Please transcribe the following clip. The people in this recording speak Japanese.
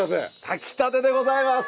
炊きたてでございます！